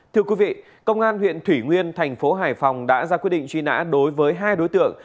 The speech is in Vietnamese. thưa quý vị công an huyện thủy nguyên thành phố hải phòng đã ra quyết định truy nã đối với hai đối tượng